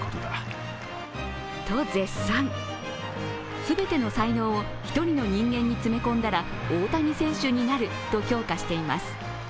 全ての才能を一人の人間に詰め込んだら大谷選手になると評価しています。